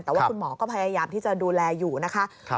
แต่ว่าคุณหมอก็พยายามที่จะดูแลอยู่นะคะ